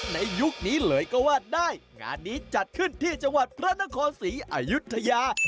ในยุคนี้เลยก็ว่าได้งานนี้จัดขึ้นที่จังหวัดพระนครศรีอายุทยา